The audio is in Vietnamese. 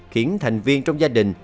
khiến thành viên trong gia đình